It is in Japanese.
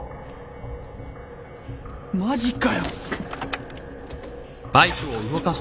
マジかよ。